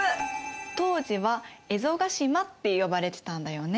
当時は蝦夷ヶ島って呼ばれてたんだよね。